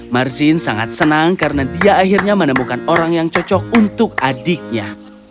marzin sangat senang karena dia akhirnya menemukan orang yang cocok untuk adiknya